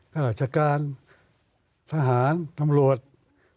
ก็หลักจักรทหารธรรมโลศิลป์